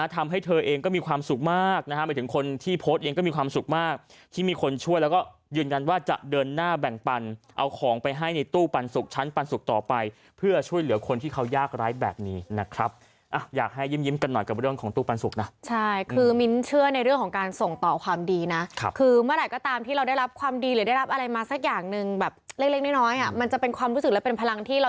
ทำให้เธอเองก็มีความสุขมากนะฮะไปถึงคนที่โพสต์เองก็มีความสุขมากที่มีคนช่วยแล้วก็ยืนยันว่าจะเดินหน้าแบ่งปันเอาของไปให้ในตู้ปันสุกชั้นปันสุกต่อไปเพื่อช่วยเหลือคนที่เขายากร้ายแบบนี้นะครับอยากให้ยิ้มยิ้มกันหน่อยกับเรื่องของตู้ปันสุกนะใช่คือมิ้นเชื่อในเรื่องของการส่งต่อความดีนะคือเมื่อไห